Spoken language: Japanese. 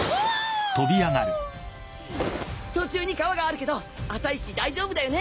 途中に川があるけど浅いし大丈夫だよね？